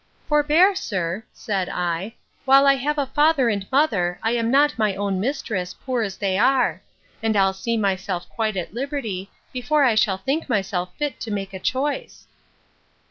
—Forbear, sir, said I; while I have a father and mother, I am not my own mistress, poor as they are; and I'll see myself quite at liberty, before I shall think myself fit to make a choice.